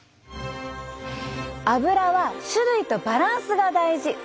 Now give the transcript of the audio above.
アブラは種類とバランスが大事。